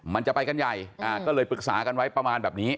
มันจะไปกันใหญ่ก็เลยปรึกษากันไว้ประมาณแบบนี้